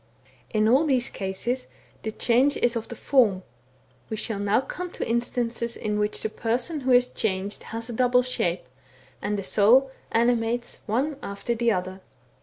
In all these cases the change is of the form : we shall now come to instances in which the person who is changed has a double shape, and the soul animates one after the other.